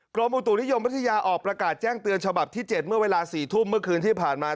กรมอุตุนิยมพัทยาออกประกาศแจ้งเตือนฉบับที่๗เมื่อเวลา๔ทุ่มเมื่อคืนที่ผ่านมา